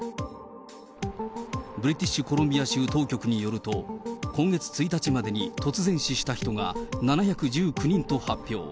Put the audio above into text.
ブリティッシュコロンビア州当局によると、今月１日までに突然死した人が７１９人と発表。